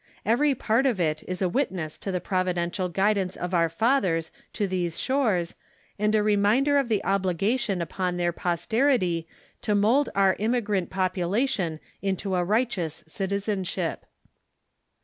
Every part of it is a witness to tlie provi dential guidance of our fathers to these shores, and a reminder of the obligation upon their posterity to mould our immigrant population into a righteous citizenship.